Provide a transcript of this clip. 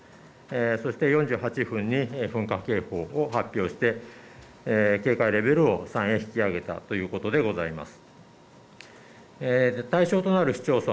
そして、４８分に噴火警報を発表して警戒レベルを３に引き上げたということでございます。